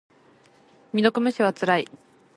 未読無視はつらい。